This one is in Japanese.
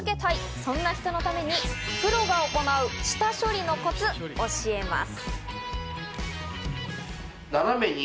そんな人のためにプロが行う下処理のコツを教えます。